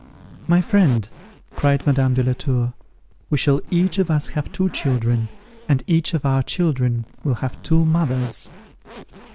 "My friend," cried Madame de la Tour, "we shall each of us have two children, and each of our children will have two mothers."